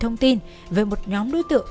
thông tin về một nhóm đối tượng